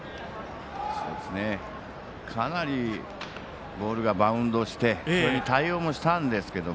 かなりボールがバウンドしてそれに対応もしたんですけど